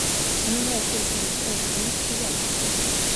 Och nu har jag fullkomligt övervunnit det hela.